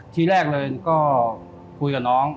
ทีแรกเลยก็คุยกับน้อง